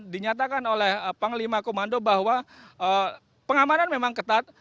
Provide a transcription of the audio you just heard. dinyatakan oleh panglima komando bahwa pengamanan memang ketat